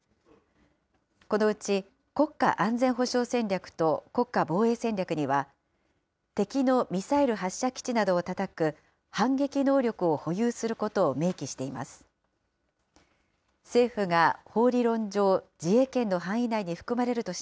このうち、国家安全保障戦略と国家防衛戦略には、敵のミサイル発射基地などをたたく反撃能力を保有することを明記しています。